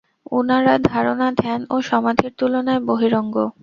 উহারা ধারণা, ধ্যান ও সমাধির তুলনায় বহিরঙ্গ।